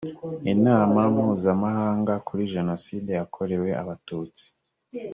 inama mpuzamahanga kuri jenoside yakorewe abatutsi